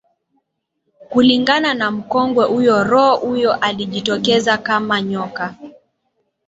Kulingana na mkongwe huyo roho huyo alijitokeza kama nyoka